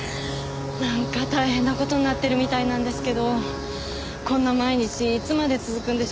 なんか大変な事になってるみたいなんですけどこんな毎日いつまで続くんでしょうか？